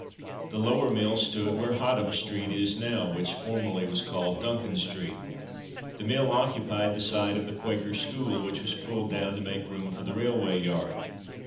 The lower mill stood where Hotham street is now, which formerly was called Duncan street. The mill occupied the site of the Quaker's school, which was pulled down to make room for the railway yard.